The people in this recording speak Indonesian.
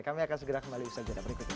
kami akan segera kembali ke segmen berikutnya